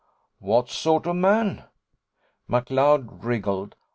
"What sort of man?" McLeod wriggled.